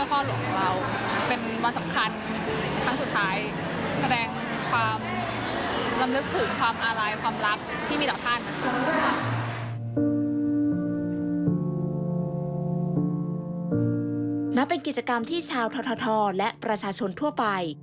นั่นเป็นกิจกรรมที่ชาวททและประชาชนทั่วไป